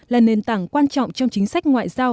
là nền tảng quan trọng trong chính sách ngoại giao